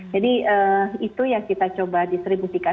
jadi itu yang kita coba distribusikan